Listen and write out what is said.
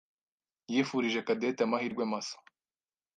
yifurije Cadette amahirwe masa.